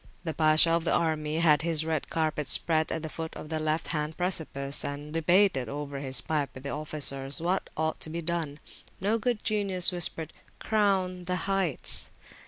The Pasha of the army had his carpet spread at the foot of the left hand precipice, and debated over his pipe with the officers what ought to be done. No good genius whispered Crown the heights.